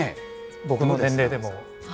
僕の年齢でも。